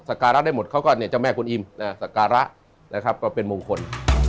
การะได้หมดเขาก็เนี่ยเจ้าแม่คุณอิมสการะนะครับก็เป็นมงคล